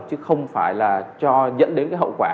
chứ không phải dẫn đến hậu quả